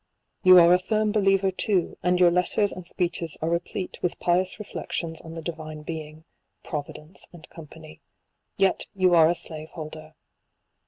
You are a firm believer, too, and your letters and speeches are replete with pious reflections on the Di vine Being, Providence, &c. 5 yet you are a slave holder